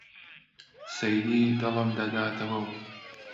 سەیدی دڵم دەداتەوە و